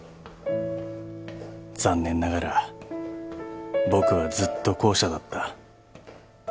［残念ながら僕はずっと後者だった］